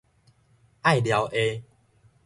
隘寮下